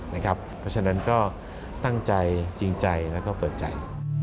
เพราะฉะนั้นก็ตั้งใจจริงใจแล้วก็เปิดใจ